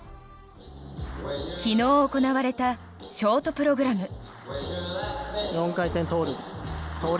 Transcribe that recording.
昨日行われたショートプログラム。